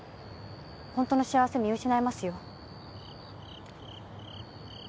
ホントの幸せ見失いますよ